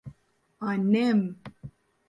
Annem...